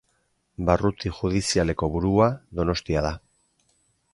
Barruti judizialeko burua Donostia da.